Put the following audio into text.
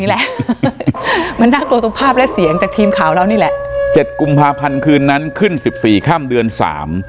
หันหน้ากลัวตรงกราฟิกนี่แหละ